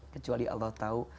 kecuali allah tahu